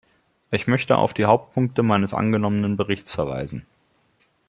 Ich möchte auf die Hauptpunkte meines angenommenen Berichts verweisen.